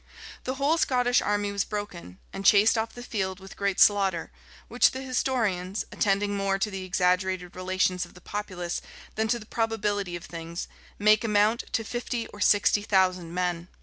The whole Scottish army was broken, and chased off the field with great slaughter; which the historians, attending more to the exaggerated relations of the populace than to the probability of things, make amount to fifty or sixty thousand men.